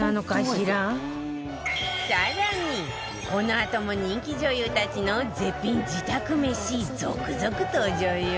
更にこのあとも人気女優たちの絶品自宅めし続々登場よ